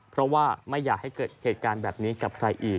เพราะว่าไม่อยากให้เกิดเหตุการณ์แบบนี้กับใครอีก